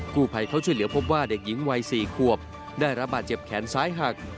ผู้ภัยเขาช่วยเหลือพบว่าเด็กหญิงวัย๔ขวบได้รับบาดเจ็บแขนซ้ายหัก